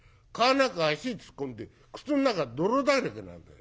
中足突っ込んで靴ん中泥だらけなんだよ。